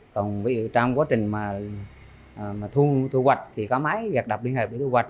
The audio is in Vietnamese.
còn ví dụ trong quá trình mà thu hoạch thì có máy gạt đập liên hệ để thu hoạch